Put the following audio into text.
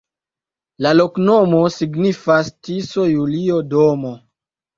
La loknomo signifas: Tiso-Julio-domo.